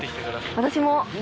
私も。